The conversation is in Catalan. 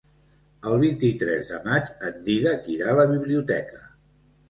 El vint-i-tres de maig en Dídac irà a la biblioteca.